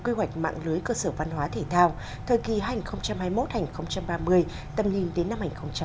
quy hoạch mạng lưới cơ sở văn hóa thể thao thời kỳ hai nghìn hai mươi một hai nghìn ba mươi tầm nhìn đến năm một nghìn chín trăm bốn mươi năm